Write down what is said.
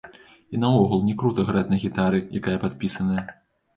І наогул, не крута граць на гітары, якая падпісаная.